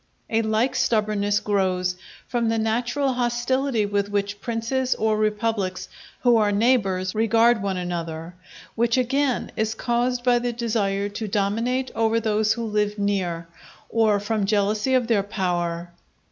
A like stubbornness grows from the natural hostility with which princes or republics who are neighbours regard one another; which again is caused by the desire to dominate over those who live near, or from jealousy of their power.